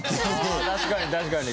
ああ確かに確かに。